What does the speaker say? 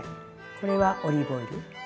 これはオリーブオイル。